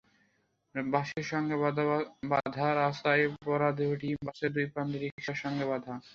বাঁশের সঙ্গে বাঁধা বস্তায় ভরা দেহটি, বাঁশের দুই প্রান্ত রিকশার সঙ্গে বাঁধা।